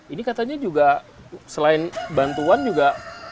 ini katanya juga selain bantuan juga